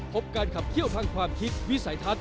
พบการขับเคี่ยวทางความคิดวิสัยทัศน